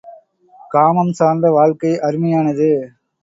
காமம் சார்ந்த வாழ்க்கை அருமையானது!